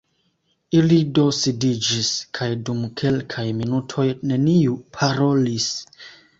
Ili do sidiĝis, kaj dum kelkaj minutoj neniu parolis.